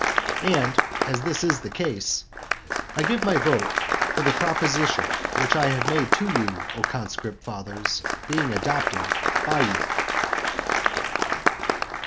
And as this is the case, I give my vote for the proposition which I have made to you, O conscript fathers, being adopted by you.